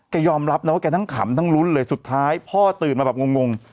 ยอมรับนะว่าแกทั้งขำทั้งลุ้นเลยสุดท้ายพ่อตื่นมาแบบงง